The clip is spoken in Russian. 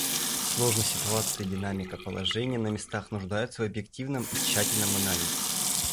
Сложность ситуации и динамика положения на местах нуждаются в объективном и тщательном анализе.